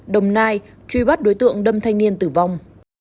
đồng nai truy bắt đối tượng đâm thanh niên tử vong